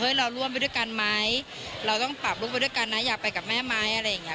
เราร่วมไปด้วยกันไหมเราต้องปรับลูกไปด้วยกันนะอยากไปกับแม่ไหมอะไรอย่างเงี้